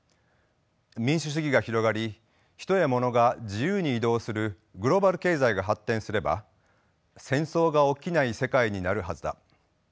民主主義が広がり人やものが自由に移動するグローバル経済が発展すれば戦争が起きない世界になるはずだ。